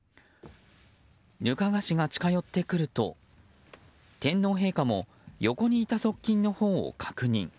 額賀氏が近寄ってくると天皇陛下も横にいた側近のほうを確認。